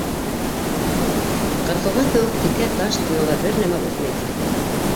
Ҡырҡылған кеүек текә таш стенала бер нәмә үҫмәй тиерлек.